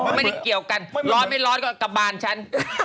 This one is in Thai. ไม่ได้เกี่ยวกันร้อนไม่ร้อนก็กระบานฉัน